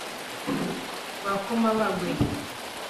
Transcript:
Rwa Komabagwe